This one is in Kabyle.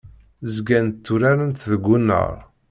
Zgant tturarent deg unnar.